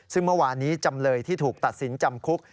ซึ่งเมื่อวานนี้จำเลยที่ถูกตัดสินจำคุก